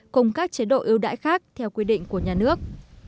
cùng các chế độ ưu đãi khác theo quy định của nhà nước